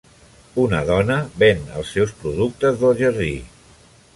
Una dona ven els seus productes del jardí.